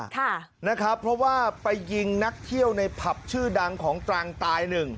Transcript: ค่ะนะครับเพราะว่าไปยิงนักเที่ยวในผับชื่อดังของตรังตายหนึ่ง